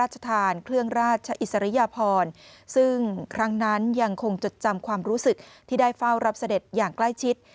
สริยพรซึ่งครั้งนั้นยังคงจดจำความรู้สึกที่ได้เฝ้ารับเสด็จอย่างใกล้ชิด